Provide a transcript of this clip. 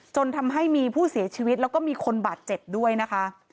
จนทำให้มีผู้เสียชีวิตแล้วก็มีคนบาดเจ็บด้วยนะคะ